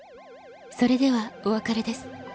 それではお別れです。